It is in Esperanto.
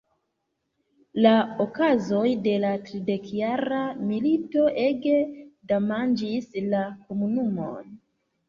La okazoj de la Tridekjara milito ege damaĝis la komunumon.